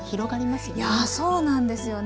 やそうなんですよね。